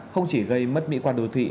không chỉ gây mất mỹ quản đồ thị